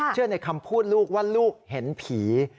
ในคำพูดลูกว่าลูกเห็นผี